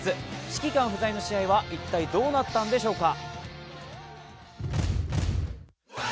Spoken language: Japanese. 指揮官不在の試合は一体どうなったんでしょうか。